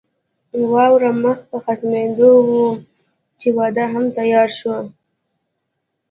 واوره مخ په ختمېدو وه چې واده هم تيار شو.